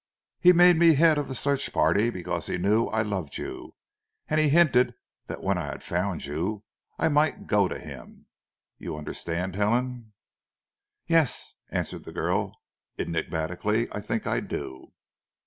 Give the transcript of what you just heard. "He made me head of the search party, because he knew I loved you, and he hinted that when I had found you I might go to him. You understand, Helen?" "Yes," answered the girl enigmatically. "I think I do."